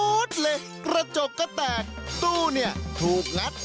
ปุ๊ดเล็กคระจกก็แตกตู้เนี่ยถูปเหมือนความสุข